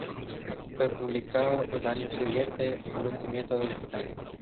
Fue publicado el año siguiente al hundimiento del Titanic.